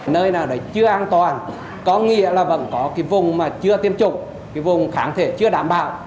nơi nào đấy chưa an toàn có nghĩa là vẫn có cái vùng mà chưa tiêm chủng cái vùng kháng thể chưa đảm bảo